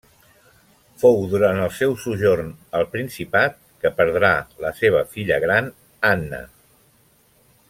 Fou durant el seu sojorn al principat, que perdrà la seva filla gran Anna.